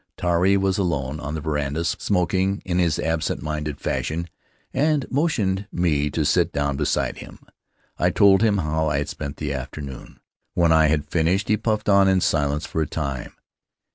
Tari was alone on the veranda, smoking in his absent minded fashion, and motioned me to sit down beside him. I told him how I had spent the afternoon. When I had finished he puffed on in silence for a time.